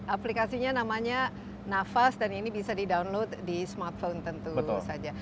aplikasinya namanya nafas dan ini bisa di download di smartphone tentu saja